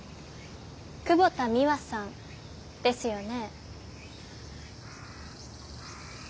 久保田ミワさんですよね？